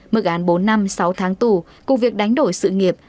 mức án bốn năm sáu tháng tù cùng việc đánh đổi sự nghiệp